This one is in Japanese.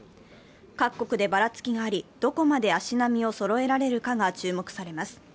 各国でばらつきがあり、どこまで足並みをそろえられるかが注目されます。